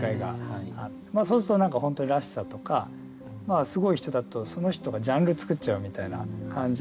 そうすると本当にらしさとかすごい人だとその人がジャンル作っちゃうみたいな感じの世界があってっていう。